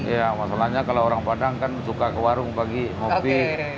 ya masalahnya kalau orang padang kan suka ke warung pagi ngopi